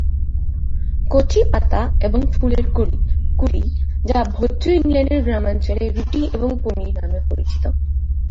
কচি পাতা এবং ফুলের কুঁড়ি, যা ভোজ্য, ইংল্যান্ডের গ্রামাঞ্চলে "রুটি এবং পনির" নামে পরিচিত।